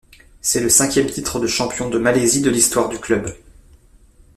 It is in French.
C'est le cinquième titre de champion de Malaisie de l'histoire du club.